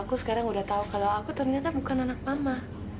aku sekarang udah tahu kalau aku ternyata bukan anak mama